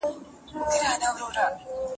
یو روڼ څاڅکی رارغړي.